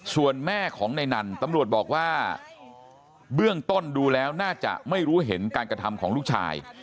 ส่วนแม่ของในนั้นตำรวจบอกว่าเบื้องต้นดูแล้วน่าจะไม่รู้เห็นการกระทำของลูกชาย